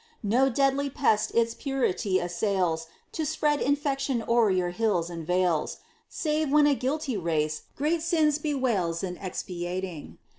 No deadly pest its purity assails, To spread infection o'er your hills and vales, Save when a guilty race, great sins bewails In expiating.